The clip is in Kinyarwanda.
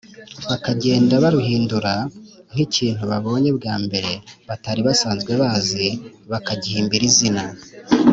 bakagenda baruhindura. nk’ikintu babonye bwambere batari basanzwe bazi, bakagihimbira izina